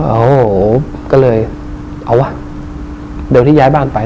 โอ้โหก็เลยเอาวะเร็วที่ย้ายบ้านไป